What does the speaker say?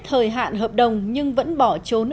thời hạn hợp đồng nhưng vẫn bỏ trốn